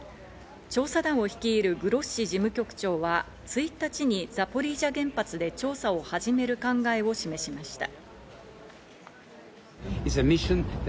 調査団を率いるグロッシ事務局長は、１日にザポリージャ原発で調査を始める考えを示しました。